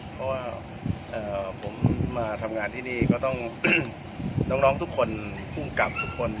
เพราะว่าผมมาทำงานที่นี่ก็ต้องน้องทุกคนภูมิกับทุกคน